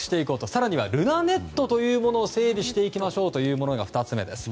更にはルナネットというものを整備していきましょうというのが２つ目です。